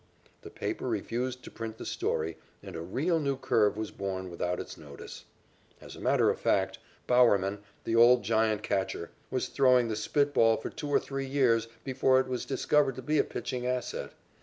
The paper refused to print the story and a real new curve was born without its notice. As a matter of fact, Bowerman, the old Giant catcher, was throwing the spit ball for two or three years before it was discovered to be a pitching asset.